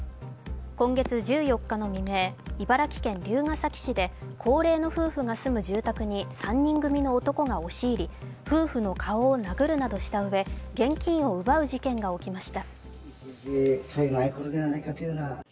今月１４日の未明、茨城県龍ケ崎市で高齢の夫婦が住む住宅に３人組の男が押し入り夫婦の顔を殴るなどしたうえ現金を奪う事件が起きました。